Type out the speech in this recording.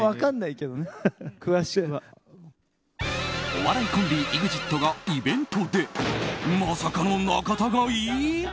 お笑いコンビ、ＥＸＩＴがイベントでまさかの仲違い？